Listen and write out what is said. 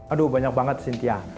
aduh banyak banget cynthia